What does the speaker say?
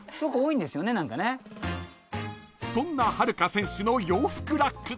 ［そんな秦留可選手の洋服ラック］